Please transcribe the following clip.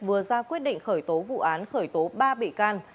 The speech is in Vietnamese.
vừa ra quyết định khởi tố vụ án khởi tố ba bị can